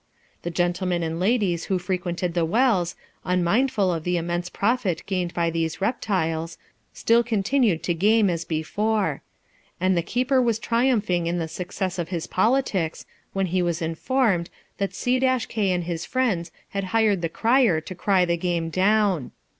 The gentlemen and ladies who frequented the wells, unmindful of the immense profit gained by these reptiles, still continued to game as before ; and the keeper was triumphing in the success of his politics, when he was informed, that C k and his friends had hired the crier to cry the game down.